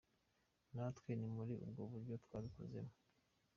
Natwe ni muri ubwo buryo twabikozemo.